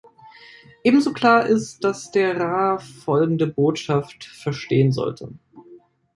Ebenso klar ist, dass der Ra folgende Botschaft verstehen sollte.